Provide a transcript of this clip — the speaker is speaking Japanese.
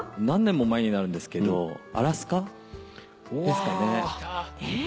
何年も前になるんですけどアラスカですかね。